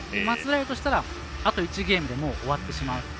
松平としたらあと１ゲームでもう終わってしまう。